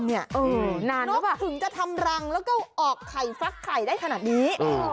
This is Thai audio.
เออนานแล้วป่ะนกถึงจะทำรังแล้วก็ออกไข่ฟลักไข่ได้ขนาดนี้